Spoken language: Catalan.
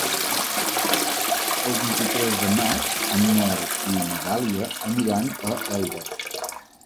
El vint-i-tres de maig en Nel i na Dàlia aniran a Elda.